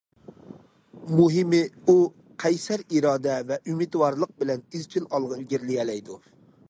مۇھىمى، ئۇ قەيسەر ئىرادە ۋە ئۈمىدۋارلىق بىلەن ئىزچىل ئالغا ئىلگىرىلىيەلەيدۇ.